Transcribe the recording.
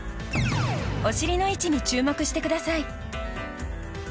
お尻の位置に注目してください。